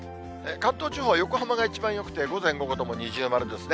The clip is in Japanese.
関東地方は横浜が一番よくて、午前午後とも二重丸ですね。